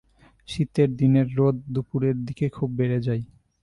শীতের দিনের রোদ দুপুরের দিকে খুব বেড়ে যায়।